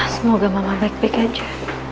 semoga mama baik baik aja